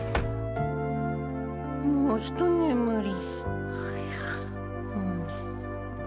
もうひとねむり。